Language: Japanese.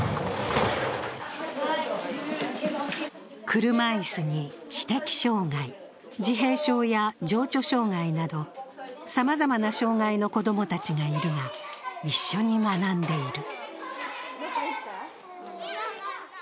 車いすに知的障害、自閉症や情緒障害などさまざまな障害の子供たちがいるが一緒に学んでいる。